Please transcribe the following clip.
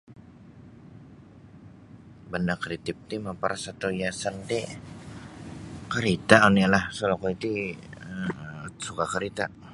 Banda kreatif ti maparas atau hiasan ti karita' onilah pasal okoi ti um suka' karita'.